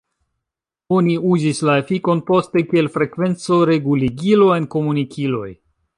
Oni uzis la efikon poste kiel frekvenco-reguligilo en komunikiloj.